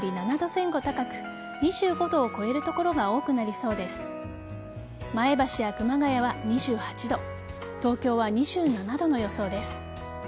前橋や熊谷は２８度東京は２７度の予想です。